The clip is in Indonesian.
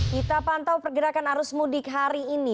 kita pantau pergerakan arus mudik hari ini